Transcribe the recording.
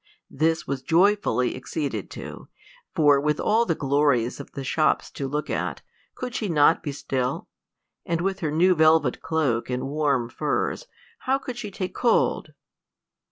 This was joyfully acceded to, for with all the glories of the shops to look at, could she not be still? and with her new velvet cloak and warm furs, how could she take cold?